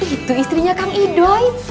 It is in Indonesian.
itu istrinya kang idoi